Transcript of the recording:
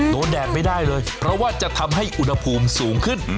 แดดไม่ได้เลยเพราะว่าจะทำให้อุณหภูมิสูงขึ้น